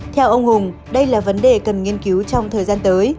theo ông hùng đây là vấn đề cần nghiên cứu trong thời gian tới